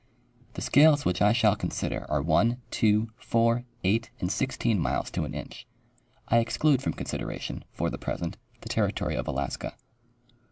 The scales which I shall consider are 1, 2, 4, 8 and 16 miles to an inch. I exclude from consideration, for the present, the ter ritory of Alaska.